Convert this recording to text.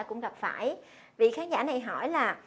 cũng gặp phải vị khán giả này hỏi là